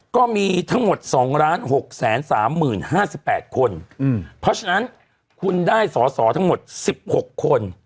ก็มีทั้งหมด๒๖๓๐๕๘คนเพราะฉะนั้นคุณได้สอสอทั้งหมด๑๖คน